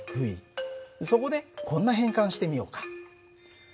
そこでこんな変換してみようか。